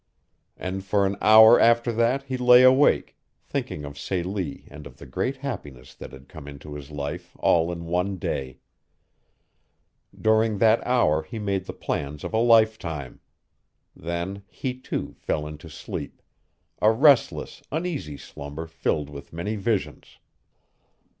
And for an hour after that he lay awake, thinking of Celie and of the great happiness that had come into his life all in one day. During that hour he made the plans of a lifetime. Then he, too, fell into sleep a restless, uneasy slumber filled with many visions.